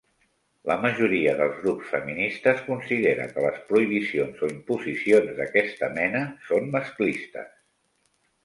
La majoria dels grups feministes considera que les prohibicions o imposicions d'aquesta mena són masclistes.